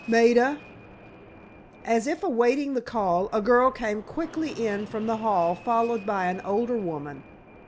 Maida!" As if awaiting the call, a girl came quickly in from the hall followed by an older woman.